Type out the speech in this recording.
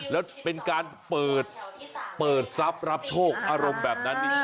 แล้วเป็นการเปิดทรัพย์รับโชคอารมณ์แบบนั้นจริง